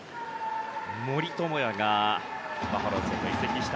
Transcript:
森友哉がバファローズに移籍した